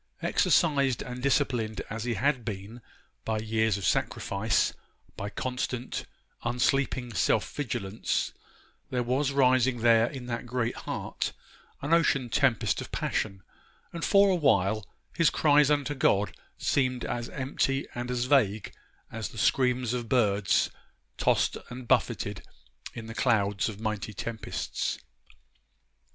Exercised and disciplined as he had been by years of sacrifice, by constant, unsleeping self vigilance, there was rising there in that great heart an ocean tempest of passion; and for a while his cries unto God seemed as empty and as vague as the screams of birds tossed and buffeted in the clouds of mighty tempests.